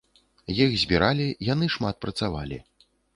Іх збіралі, яны шмат працавалі.